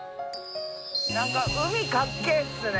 なんか海かっけぇっすね。